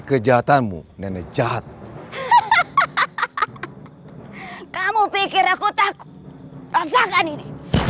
kejahatanmu nenek jahat kamu pikir aku takut pasangan ini